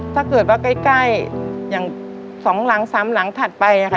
ถ้าเกิดว่าใกล้อย่าง๒หลัง๓หลังถัดไปค่ะ